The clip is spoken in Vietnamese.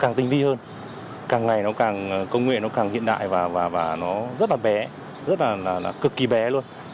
càng tinh vi hơn càng ngày nó càng công nghệ nó càng hiện đại và nó rất là bé rất là cực kỳ bé luôn